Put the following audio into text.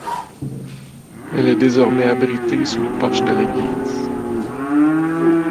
Elle est désormais abritée sous le porche de l’église.